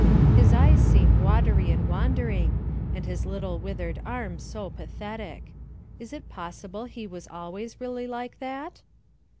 His eyes seem watery and wandering, and his little withered arm so pathetic. Is it possible he was always really like that?